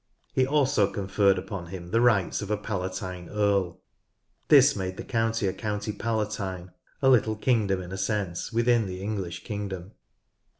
He also conferred upon him the rights of a palatine earl. This made the county a county palatine — a little kingdom, in a sense, within the English kingdom.